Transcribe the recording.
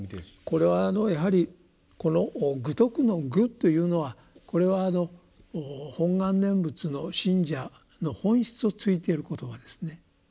これはやはりこの「愚禿」の「愚」というのはこれは「本願念仏」の信者の本質をついている言葉ですね。